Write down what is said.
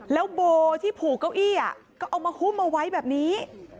แล้วโบที่ผูกเก้าอี้ก็เอามาหุ้มเอาไว้แบบนี้